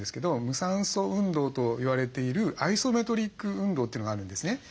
無酸素運動といわれているアイソメトリック運動というのがあるんですね。